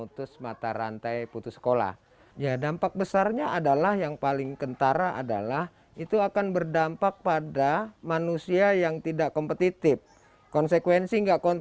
tbm lentera pusaka